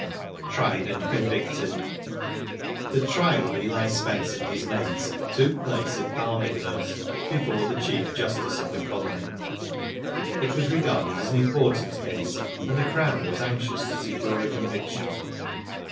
TRIED AND CONVICTED. The trial of Eli Spence and his mates took place at Darlinghurst, before the Chief Justice of the colony. It was regarded as an important case, and the Crown was anxious to secure a conviction.